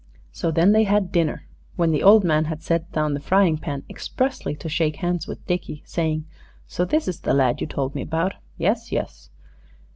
So then they had dinner, when the old man had set down the frying pan expressly to shake hands with Dickie, saying, "So this is the lad you told me about. Yes, yes."